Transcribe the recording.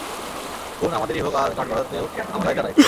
খুন আমাদেরই হোক আর কাঠগড়াতেও আমারাই দাঁড়াই।